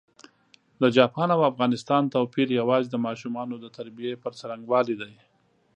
د چاپان او افغانستان توپېر یوازي د ماشومانو د تربیې پر ځرنګوالي دی.